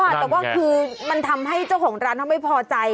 แต่ว่าคือมันทำให้เจ้าของร้านเขาไม่พอใจ